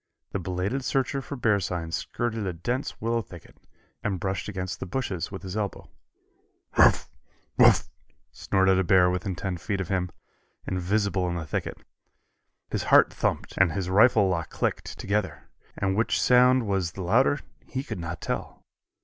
The belated searcher for bear signs skirted a dense willow thicket, and brushed against the bushes with his elbow. "Woof! Woof!" snorted a bear within ten feet of him, invisible in the thicket. His heart thumped and his rifle lock clicked, together, and which sound was the louder he could not tell.